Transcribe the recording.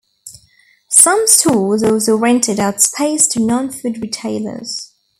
Some stores also rented out space to non food retailers.